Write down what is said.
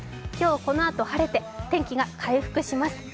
今日このあと晴れて、天気が回復します。